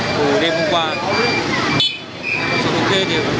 hồi đêm hôm qua em có sống ở quê thì